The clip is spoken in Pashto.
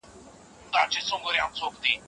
خو دا سپینېدل بې ګټې نه وو.